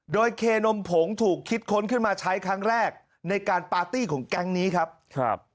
โดยเคนมผงถูกคิดค้นขึ้นมาใช้ครั้งแรกในการปาร์ตี้ของแก๊งนี้ครับครับ